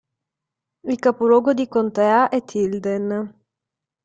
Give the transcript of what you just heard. Il capoluogo di contea è Tilden.